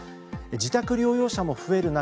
自宅療養者も増える中